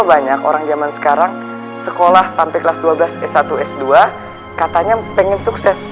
karena banyak orang zaman sekarang sekolah sampai kelas dua belas s satu s dua katanya pengen sukses